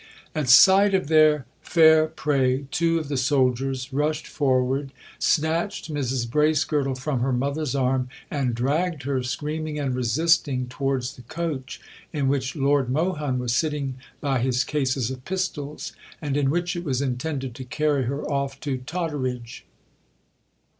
At sight of their fair prey two of the soldiers rushed forward, snatched Mrs Bracegirdle from her mother's arm and dragged her, screaming and resisting, towards the coach in which Lord Mohun was sitting by his cases of pistols, and in which it was intended to carry her off to Totteridge.